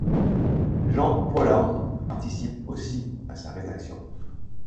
Jean Paulhan participe aussi à sa rédaction.